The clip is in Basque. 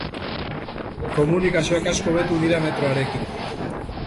Komunikazioak asko hobetu dira metroarekin.